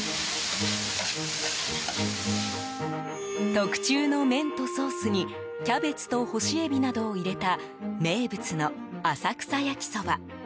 特注の麺とソースにキャベツと干しエビなどを入れた名物の浅草焼きそば。